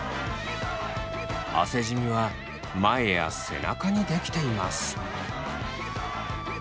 汗じみは前や背中に出来ています。